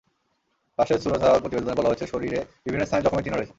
লাশের সুরতহাল প্রতিবেদনে বলা হয়েছে, শরীরে বিভিন্ন স্থানে জখমের চিহ্ন রয়েছে।